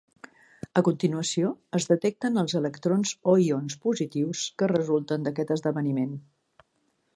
A continuació, es detecten els electrons o ions positius que resulten d'aquest esdeveniment.